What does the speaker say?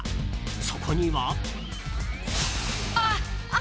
そこには。